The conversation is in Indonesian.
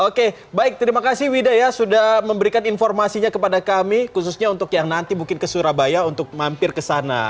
oke baik terima kasih wida ya sudah memberikan informasinya kepada kami khususnya untuk yang nanti mungkin ke surabaya untuk mampir ke sana